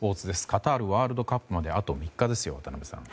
カタールワールドカップまであと３日ですよ、渡辺さん。